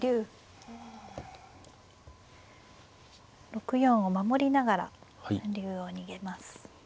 ６四を守りながら竜を逃げます。